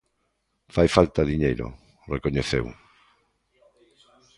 "Fai falta diñeiro", recoñeceu.